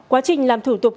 quá trình làm thủ tục